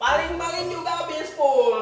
paling paling juga ke facebook